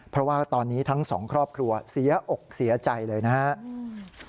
เพราะว่าตอนนี้ทั้งสองครอบครัวเสียอกเสียใจเลยนะครับ